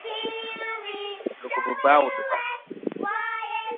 Lugʼbibawdba.